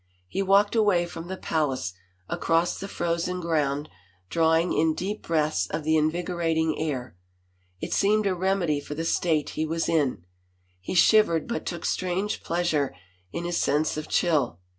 He walked away from the palace across the frozen ground, drawing in deep breaths of the invigorating air. It seemed a remedy for the state he was in. He shivered but took strange pleasure in his sense of chill.